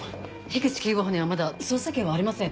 口警部補にはまだ捜査権はありません。